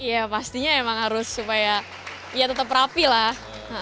ya pastinya emang harus supaya tetap rapi lah